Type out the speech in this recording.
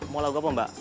mau lagu apa mbak